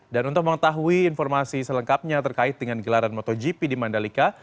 dan untuk mengetahui informasi selengkapnya terkait dengan gelaran motogp di mandalika